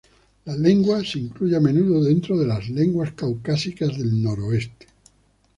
La lengua se incluye a menudo dentro de las lenguas caucásicas del noreste.